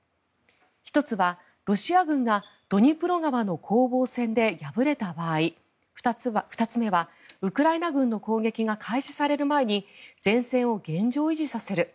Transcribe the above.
１つはロシア軍がドニプロ川の攻防戦で敗れた場合２つ目は、ウクライナ軍の攻撃が開始される前に前線を現状維持させる。